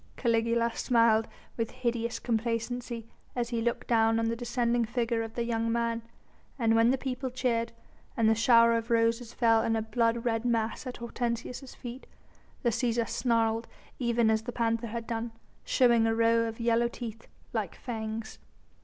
Caligula smiled with hideous complacency as he looked down on the descending figure of the young man, and when the people cheered, and the shower of roses fell in a blood red mass at Hortensius' feet, the Cæsar snarled even as the panther had done, showing a row of yellow teeth, like fangs.